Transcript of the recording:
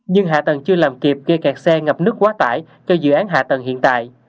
nhưng hạ tầng chưa làm kịp gây kẹt xe ngập nước quá tải cho dự án hạ tầng hiện tại